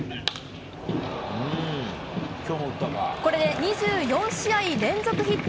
これで２４試合連続ヒット。